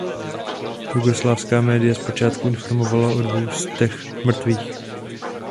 Jugoslávská média zpočátku informovala o dvou stech mrtvých.